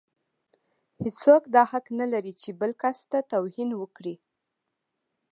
هيڅوک دا حق نه لري چې بل کس ته توهين وکړي.